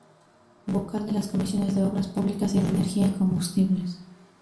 Vocal de las Comisiones de Obras Públicas y de Energía y Combustibles.